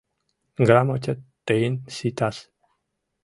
Грамотет тыйын ситас.